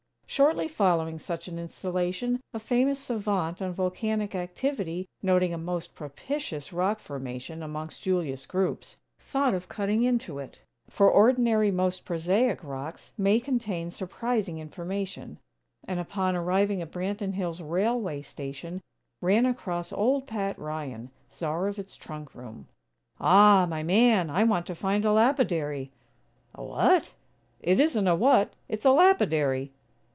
Shortly following such an installation, a famous savant on volcanic activity noting a most propitious rock formation amongst Julius' groups, thought of cutting into it; for ordinary, most prosaic rocks may contain surprising information; and, upon arriving at Branton Hills' railway station, ran across old Pat Ryan, czar of its trunk room. "Ah, my man! I want to find a lapidary." "A what?" "It isn't a 'what,' it's a lapidary."